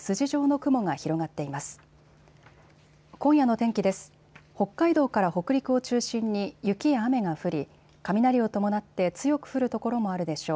北海道から北陸を中心に雪や雨が降り雷を伴って強く降る所もあるでしょう。